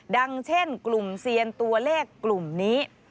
ดังเช่นกลุ่มเซียนตัวเลขกลุ่มนี้